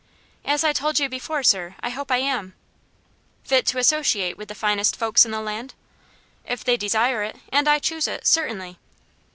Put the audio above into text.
"As I told you before, sir I hope I am." "Fit to associate with the finest folk in the land?" "If they desire it, and I choose it, certainly."